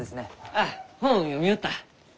ああ本を読みよった。